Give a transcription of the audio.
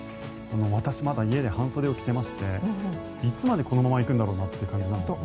私、まだ家で半袖を着ていましていつまでこのままいくんだろうなという感じなんですよね。